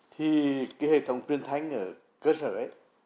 thì cái hệ thống truyền thanh ở cơ sở ấy